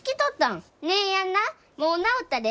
姉やんなもう治ったで。